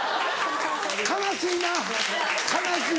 悲しいな悲しい。